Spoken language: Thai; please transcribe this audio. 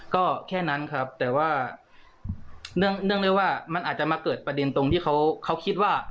ก็แค่นั้นครับแต่ว่าเนื่องได้ว่ามันอาจจะมาเกิดประเด็นตรงที่เขาคิดว่า